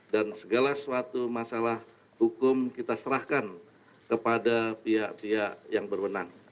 dan segala suatu masalah hukum kita serahkan kepada pihak pihak yang berwenang